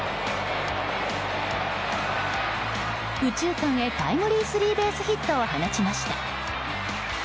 右中間へタイムリースリーベースヒットを放ちました。